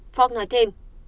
fogg nói thêm